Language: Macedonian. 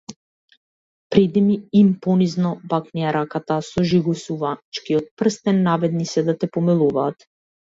Пријди им понизно, бакни ја раката со жигосувачкиот прстен, наведни се да те помилуваат.